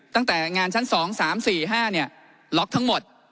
ตั้งแต่งานชั้น๒๓๔๕ล็อกทั้งหมด